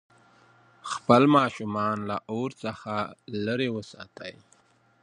خپل ماشومان له اور څخه لرې وساتئ.